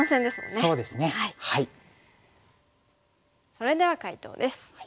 それでは解答です。